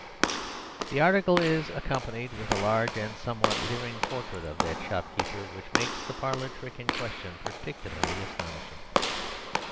The article is accompanied with a large and somewhat leering portrait of that shopkeeper, which makes the parlour trick in question particularly astonishing.